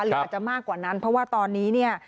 หรืออาจจะมากกว่านั้นเพราะว่าตอนนี้เนี่ย